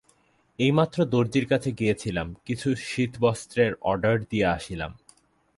এইমাত্র দরজীর কাছে গিয়াছিলাম, কিছু শীতবস্ত্রের অর্ডার দিয়া আসিলাম।